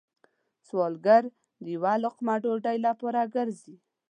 سوالګر د یو لقمه ډوډۍ لپاره گرځي